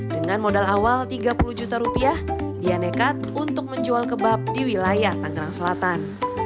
dengan modal awal tiga puluh juta rupiah dia nekat untuk menjual kebab di wilayah tanggerang selatan